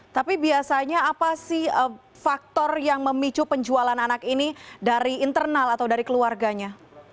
tapi biasanya apa sih faktor yang memicu penjualan anak ini dari internal atau dari keluarganya